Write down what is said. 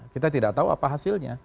kita tidak tahu apa hasilnya